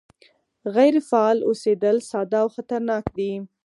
غیر فعال اوسېدل ساده او خطرناک دي